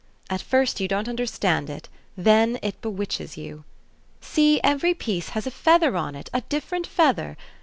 At first you don't understand it, then it bewitches you. See, every piece has a feather on it, a different feather